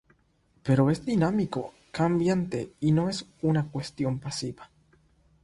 Pero es dinámico, cambiante, no es una cuestión pasiva.